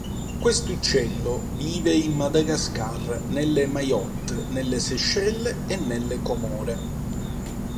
Questo uccello vive in Madagascar, nelle Mayotte, nelle Seychelles e nelle Comore.